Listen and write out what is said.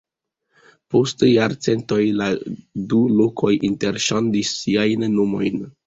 Post jarcentoj la du lokoj interŝanĝis siajn nomojn.